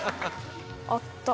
あった。